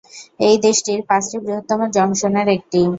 এটি দেশটির পাঁচটি বৃহত্তম জংশনের একটি।